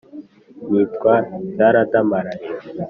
nitwa cyaradamaraye